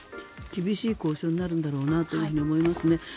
厳しい交渉になるんだろうなと思いますね。